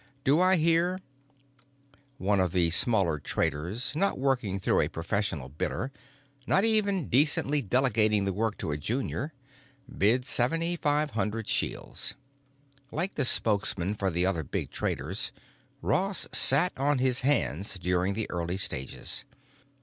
Do I hear——?" One of the smaller traders, not working through a professional bidder, not even decently delegating the work to a junior, bid seventy five hundred shields. Like the spokesmen for the other big traders, Ross sat on his hands during the early stages.